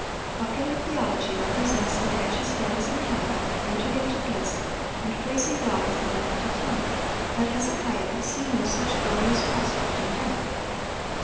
(964) Popular theology represents the righteous dead as in heaven, entered into bliss, and praising God with an immortal tongue; but Hezekiah could see no such glorious prospect in death.